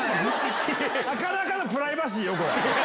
なかなかのプライバシーよ、これ。